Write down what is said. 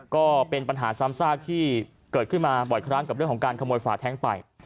ก็เป็นปัญหาซ้ำซากที่เกิดขึ้นมาบ่อยครั้งกับเรื่องของการขโมยฝาแท้งไป